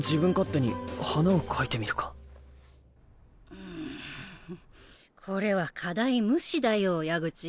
うんこれは課題無視だよ矢口。